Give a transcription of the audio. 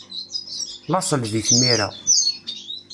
Laṣel di tmira.